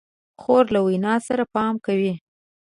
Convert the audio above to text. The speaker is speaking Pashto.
خور له وینا سره پام کوي.